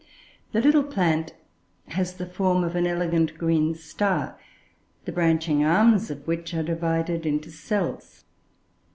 The little plant has the form of an elegant green star, the branching arms of which are divided into cells.